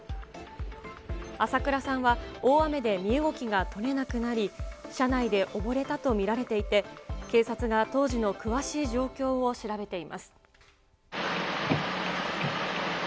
朝倉さんは、大雨で身動きが取れなくなり、車内で溺れたと見られていて、警察が当時の詳しい状況を調べています。